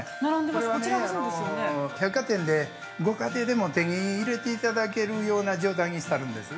◆これは百貨店で、ご家庭でも手に入れていただけるような状態にしてあるんです。